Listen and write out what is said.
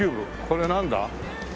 これなんだ？